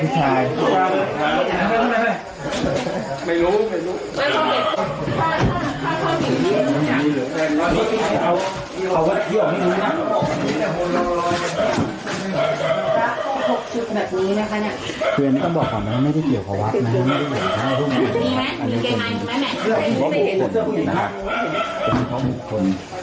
คั้นที่ดูเห็นมัวใหญ่จริงเลยนะคะนี่เขามีคน